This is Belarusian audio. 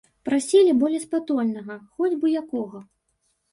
Прасілі болеспатольнага, хоць бы якога.